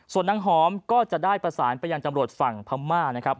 ส่วนนางหอมก็จะได้ประสานไปยังจำรวจฝั่งพม่านะครับ